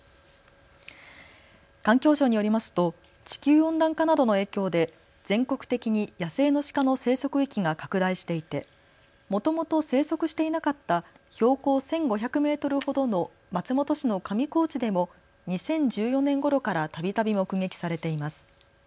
環境省によりますと地球温暖化などの影響で全国的に野生のシカの生息域が拡大していてもともと生息していなかった標高１５００メートルほどの松本市の上高地でも２０１４年ごろからたびたび目撃されています。